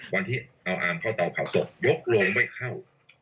วันที่เอาอามเข้าเตาเผาศพยกโรงไม่เข้า